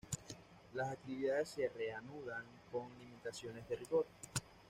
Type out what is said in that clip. Las actividades se reanudan con limitaciones de rigor.